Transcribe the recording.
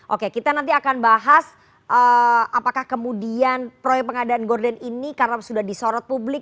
oke kita nanti akan bahas apakah kemudian proyek pengadaan gordon ini karena sudah disorot publik